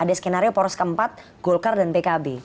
ada skenario poros keempat golkar dan pkb